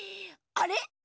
あれ？